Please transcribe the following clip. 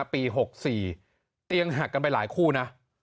ปี๖๔เตียงหักกันไปหลายคู่นะ